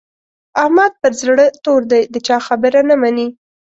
احمد پر زړه تور دی؛ د چا خبره نه مني.